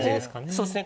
そうですね。